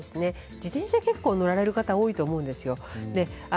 自転車に乗る方多いと思うんですよ。